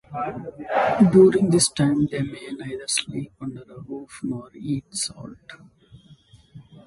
During this time they may neither sleep under a roof nor eat salt.